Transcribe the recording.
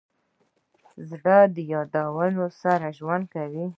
زړه د یادونو سره ژوند کوي.